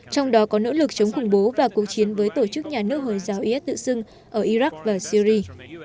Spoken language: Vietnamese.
trong đó có nỗ lực chống khủng bố và cuộc chiến với tổ chức nhà nước hồi giáo is tự xưng ở iraq và syri